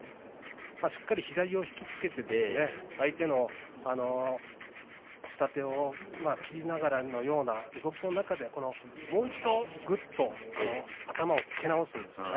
しっかり相手を引き付けて相手の下手を切りながらの動きの中でもう一度、ぐっと頭をつけ直すんですね。